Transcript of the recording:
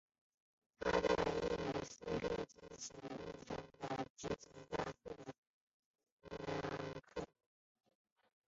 他在赫梅利尼茨基起义中积极镇压哥萨克。